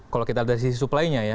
kalau kita dari sisi suplainya ya